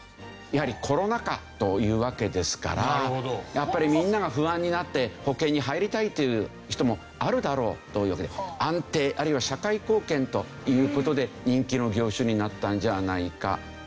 やはりコロナ禍というわけですからやっぱりみんなが不安になって保険に入りたいという人もあるだろうというわけで安定あるいは社会貢献という事で人気の業種になったんじゃないか。